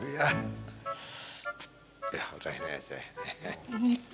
ya yaudah ini aja